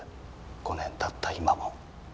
５年経った今も。